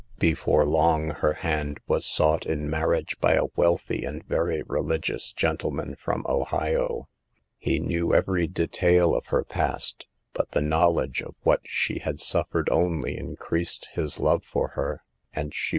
Before long her hand was sought in mar riage by a wealthy and very religious gentle A LOST WOMAN SAVED. 129 man from Ohio. He knew every detail of her past, but the knowledge of what she had suf fered only increased his love for her, and she